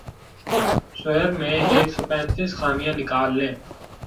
سؤر میں ایک سو پینتیس خامیاں نکال لیں